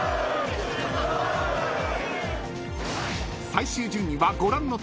［最終順位はご覧のとおり］